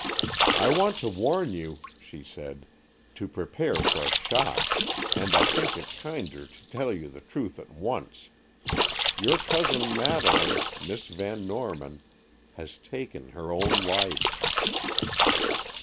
"I want to warn you," she said, "to prepare for a shock, and I think it kinder to tell you the truth at once. Your cousin Madeleine—Miss Van Norman—has taken her own life."